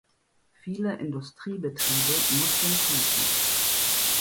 Viele Industriebetriebe mussten schließen.